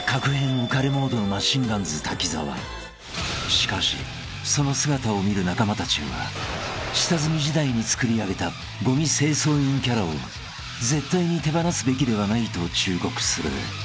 ［しかしその姿を見る仲間たちは下積み時代につくり上げたゴミ清掃員キャラを絶対に手放すべきではないと忠告する］